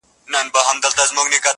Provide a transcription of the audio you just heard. مخ ته مي لاس راوړه چي ومي نه خوري.